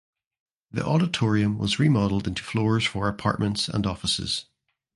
The auditorium was remodelled into floors for apartments and offices.